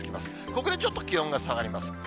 ここでちょっと気温が下がります。